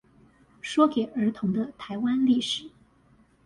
說給兒童的臺灣歷史